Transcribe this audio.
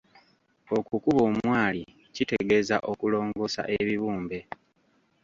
Okukuba omwari kitegeeza okulongoosa ebibumbe.